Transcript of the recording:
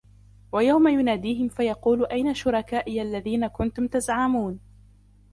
ويوم يناديهم فيقول أين شركائي الذين كنتم تزعمون